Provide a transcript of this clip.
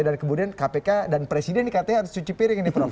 dan kemudian kpk dan presiden katanya harus cuci piring ini prof